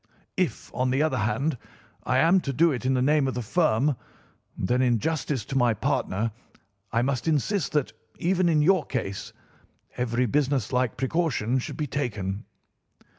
If, on the other hand, I am to do it in the name of the firm, then in justice to my partner I must insist that, even in your case, every businesslike precaution should be taken.